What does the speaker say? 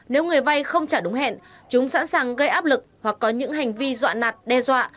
nếu người vay không trả đúng hẹn chúng sẵn sàng gây áp lực hoặc có những hành vi dọa nạt đe dọa